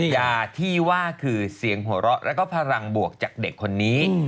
ยาที่ว่าคือเสียงหัวเราะแล้วก็พลังบวกจากเด็กคนนี้